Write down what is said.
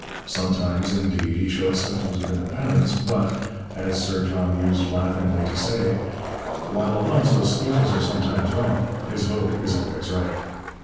Sometimes, indeed, he showed symptoms of independence, but, as Sir John used laughingly to say, 'while Alonzo's speeches are sometimes wrong, his vote is always right.'